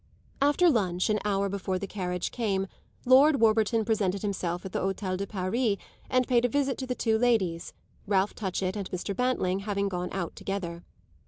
After lunch, an hour before the carriage came, Lord Warburton presented himself at the Hôtel de Paris and paid a visit to the two ladies, Ralph Touchett and Mr. Bantling having gone out together.